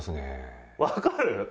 わかる？